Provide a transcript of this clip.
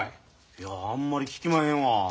いやあんまり聞きまへんわ。